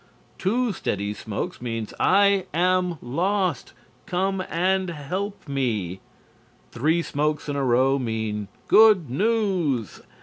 Two steady smokes mean "I am lost. Come and help me." Three smokes in a row mean "Good news!"